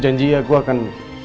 ujang dia gua akan